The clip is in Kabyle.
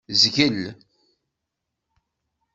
Zgel.